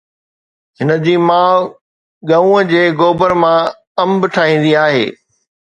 هن جي ماءُ ڳئون جي گوبر مان انب ٺاهيندي آهي